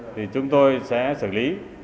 thì chúng tôi sẽ xử lý